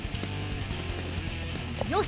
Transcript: よし！